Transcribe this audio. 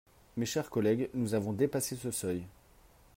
Mes chers collègues, nous avons dépassé ce seuil.